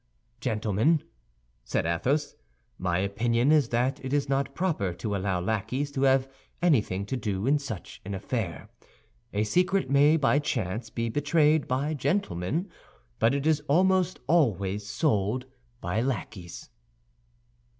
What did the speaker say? "Gentlemen," said Athos, "my opinion is that it is not proper to allow lackeys to have anything to do in such an affair. A secret may, by chance, be betrayed by gentlemen; but it is almost always sold by lackeys."